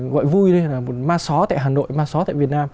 gọi vui như là một ma só tại hà nội ma só tại việt nam